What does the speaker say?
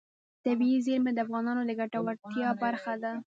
طبیعي زیرمې د افغانانو د ګټورتیا برخه ده.